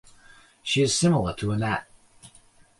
She is similar to Anat.